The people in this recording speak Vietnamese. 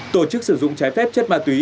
tổ chức sử dụng trái phép chất ma túy